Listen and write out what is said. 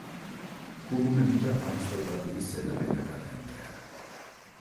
ქურუმები და არისტოკრატიის ზედა ფენა გადაიმტერა.